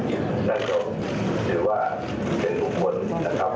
ท่านจะคิดว่าเป็นทุกคนนะครับ